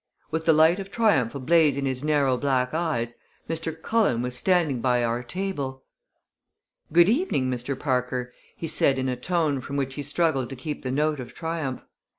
With the light of triumph ablaze in his narrow black eyes, Mr. Cullen was standing by our table! "Good evening, Mr. Parker!" he said in a tone from which he struggled to keep the note of triumph.